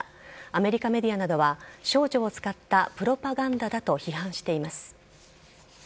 アメリカメディアなどは少女を使ったプロパガンダだと批判しています。